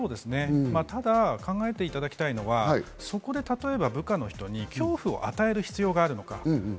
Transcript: ただ考えていただきたいのは、そこで部下に恐怖を与える必要があるのか。